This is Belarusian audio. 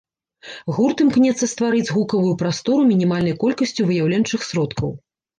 Гурт імкнецца стварыць гукавую прастору мінімальнай колькасцю выяўленчых сродкаў.